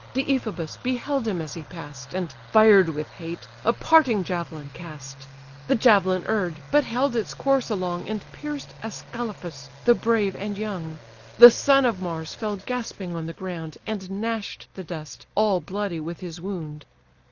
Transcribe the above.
Deiphobus beheld him as he pass'd, And, fired with hate, a parting javelin cast: The javelin err'd, but held its course along, And pierced Ascalaphus, the brave and young: The son of Mars fell gasping on the ground, And gnash'd the dust, all bloody with his wound.